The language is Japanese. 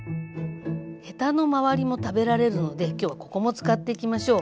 ヘタの周りも食べられるので今日はここも使っていきましょう。